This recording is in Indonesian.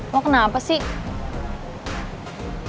wah kenapa sih